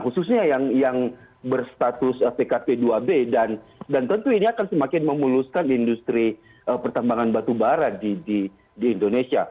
khususnya yang berstatus pkp dua b dan tentu ini akan semakin memuluskan industri pertambangan batu bara di indonesia